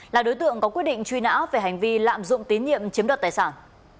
là đối tượng có quyết định truy nã về hành vi lạm dụng tín nhiệm chiếm đoạt tài sản